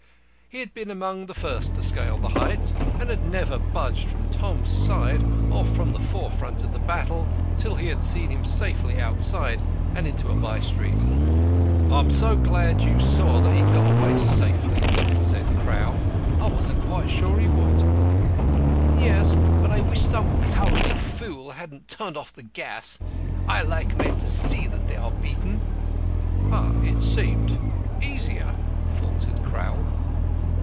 He had been among the first to scale the height, and had never budged from Tom's side or from the forefront of the battle till he had seen him safely outside and into a by street. "I am so glad you saw that he got away safely," said Crowl, "I wasn't quite sure he would." "Yes; but I wish some cowardly fool hadn't turned off the gas. I like men to see that they are beaten." "But it seemed easier," faltered Crowl.